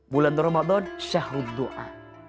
bulan ramadan syahrud doa